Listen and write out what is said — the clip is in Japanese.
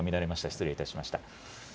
失礼いたしました。